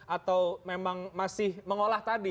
atau memang masih mengolah tadi